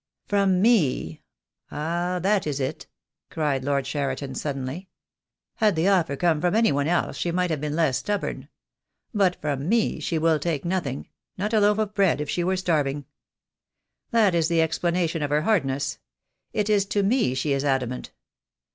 "From me — ah, that is it!" cried Lord Cheriton, suddenly. "Had the offer come from any one else she might have been less stubborn. But from me she will take nothing — not a loaf of bread if she were starving. That is the explanation of her hardness — it is to me she is adamant.